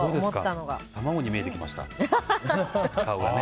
卵に見えてきました、顔が。